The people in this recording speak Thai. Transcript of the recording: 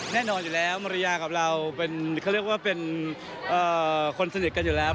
แน่นอนอยู่แล้วมาริยากับเราเขาเรียกว่าเป็นคนสนิทกันอยู่แล้ว